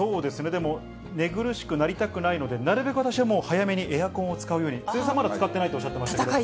でも、寝苦しくなりたくないので、なるべく私はもう、早めにエアコンを使うように、鈴江さん、まだ使ってないとおっしゃっていましたけれども。